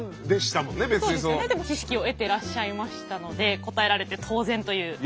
でも知識を得てらっしゃいましたので答えられて当然という。